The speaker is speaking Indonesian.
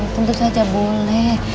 tentu saja boleh